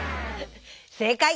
正解！